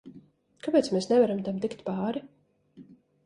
Kāpēc mēs nevaram tam tikt pāri?